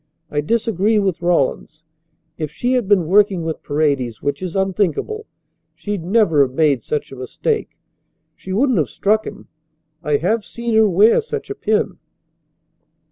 I disagree with Rawlins. If she had been working with Paredes, which is unthinkable, she'd never have made such a mistake. She wouldn't have struck him. I have seen her wear such a pin."